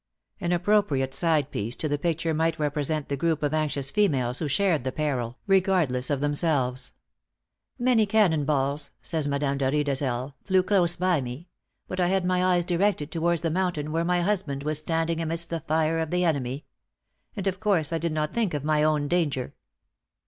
An appropriate side piece to the picture might represent the group of anxious females who shared the peril, regardless of themselves. "Many cannon balls," says Madame de Riedesel, "flew close by me; but I had my eyes directed towards the mountain where my husband was standing amidst the fire of the enemy; and of course I did not think of my own danger."